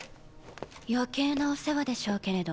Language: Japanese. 余計なお世話でしょうけれど。